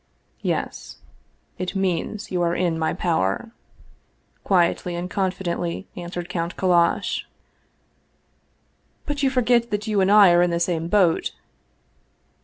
" Yes ; it means that you are in my power," quietly and confidently answered Count Kallash. " But you forget that you and I are in the same boat."